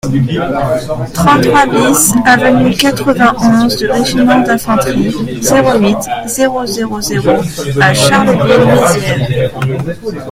trente-trois BIS avenue du quatre-vingt-onze e Régiment d'Infanterie, zéro huit, zéro zéro zéro à Charleville-Mézières